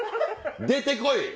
出て来い！